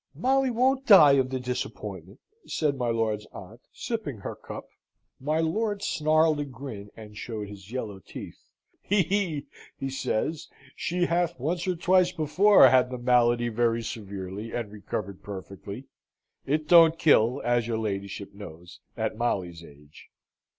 "Molly won't die of the disappointment!" said my lord's aunt, sipping her cup. My lord snarled a grin, and showed his yellow teeth. "He, he!" he said, "she hath once or twice before had the malady very severely, and recovered perfectly. It don't kill, as your ladyship knows, at Molly's age."